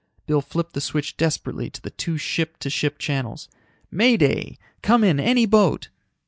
Bill flipped the switch desperately to the two ship to ship channels. "May Day! Come in any boat!"